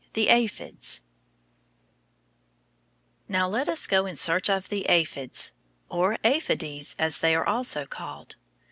THE APHIDS Now, let us go in search of the aphids, or aphides, as they are also called.